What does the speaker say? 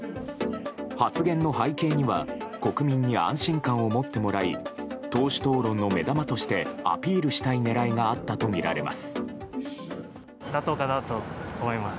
発言の背景には国民に安心感を持ってもらい党首討論の目玉としてアピールしたい狙いがあったとみられます。